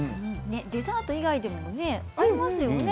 デザート以外にも合いますよね。